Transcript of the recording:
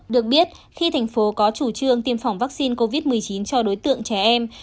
được biết khi thành phố có chủ trương tiêm phòng vaccine covid một mươi chín cho đối tượng trẻ em